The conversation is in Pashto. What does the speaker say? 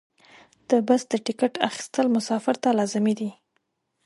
د بس د ټکټ اخیستل مسافر ته لازمي دي.